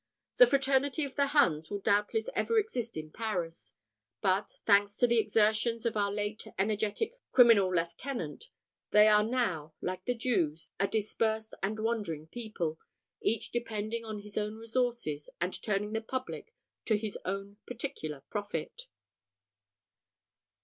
The fraternity of the Huns will doubtless ever exist in Paris; but, thanks to the exertions of our late energetic criminal lieutenant, they are now, like the Jews, a dispersed and wandering people, each depending on his own resources, and turning the public to his own particular profit.